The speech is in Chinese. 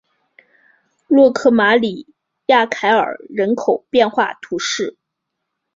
洛克马里亚凯尔人口变化图示